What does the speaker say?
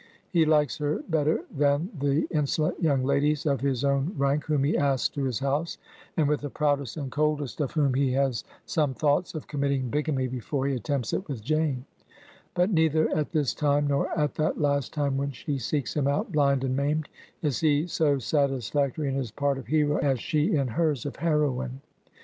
He likes her better than the insolent young ladies of his own rank whom he asks to his house, and with the proudest and coldest of whom 223 Digitized by VjOOQIC HEROINES OF FICTION he has some thoughts of committing bigamy before he attempts it with Janer But neither at this time nor at that last time when she seeks him out, bUnd and maimed, is he so satisfactory in his part of hero as she in hers of heroine.